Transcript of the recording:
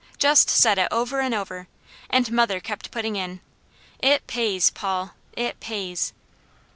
Just said it over and over, and mother kept putting in: "It pays, Paul! It pays!"